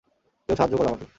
কেউ সাহায্য করো আমাকে!